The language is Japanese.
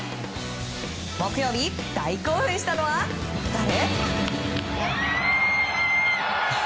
木曜日、大興奮したのは誰？